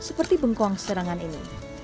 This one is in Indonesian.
seperti bengkoang serangan ini